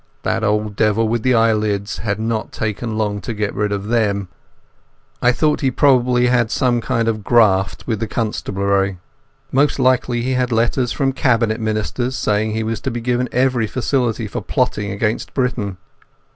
That old devil with the eyelids had not taken long to get rid of them. I thought he probably had some kind of graft with the constabulary. Most likely he had letters from Cabinet Ministers saying he was to be given every facility for plotting against Britain.